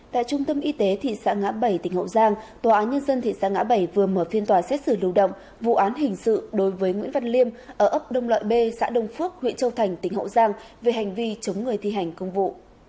tại trung tâm y tế thị xã ngã bảy tỉnh hậu giang tòa án nhân dân thị xã ngã bảy vừa mở phiên tòa xét xử lưu động vụ án hình sự đối với nguyễn văn liêm ở ấp đông lợi b xã đông phước huyện châu thành tỉnh hậu giang về hành vi chống người thi hành công vụ